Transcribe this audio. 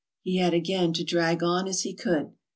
He had again to drag on as he could.